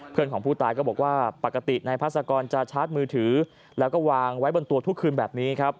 เพื่อนของผู้ตายก็บอกว่าปกตินายพาสกรจะชาร์จมือถือแล้วก็วางไว้บนตัวทุกคืนแบบนี้ครับ